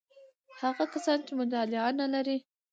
هغه کسان چې مطالعه نلري: